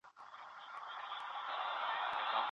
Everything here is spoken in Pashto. څه وخت دولتي شرکتونه غنم هیواد ته راوړي؟